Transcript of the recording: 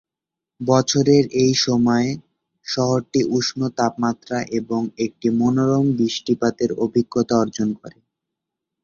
বছরের এই সময়ে, শহরটি উষ্ণ তাপমাত্রা এবং একটি মনোরম বৃষ্টিপাতের অভিজ্ঞতা অর্জন করে।